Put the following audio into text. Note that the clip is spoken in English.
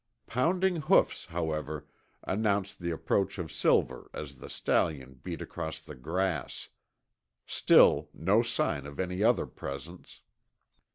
Pounding hoofs, however, announced the approach of Silver as the stallion beat across the grass. Still no sign of any other presence.